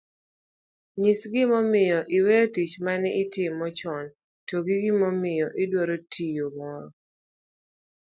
Nyis gimomiyo niweyo tich ma ne itimo chon to gi gimomiyo idwaro tiyo moro